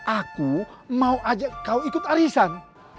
aku mau ajak kau ikut arisan